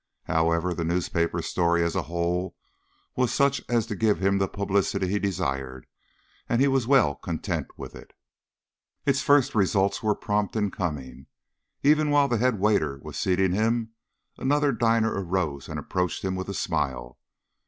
However, the newspaper story, as a whole, was such as to give him the publicity he desired, and he was well content with it. Its first results were prompt in coming. Even while the head waiter was seating him, another diner arose and approached him with a smile.